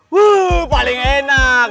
wuuuuh paling enak